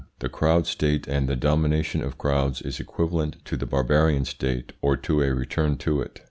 The crowd state and the domination of crowds is equivalent to the barbarian state, or to a return to it.